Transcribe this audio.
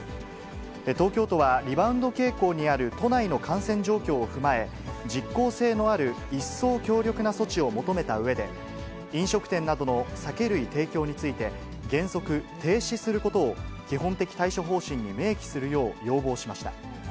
東京都はリバウンド傾向にある都内の感染状況を踏まえ、実効性のある一層強力な措置を求めたうえで、飲食店などの酒類提供について、原則停止することを基本的対処方針に明記するよう要望しました。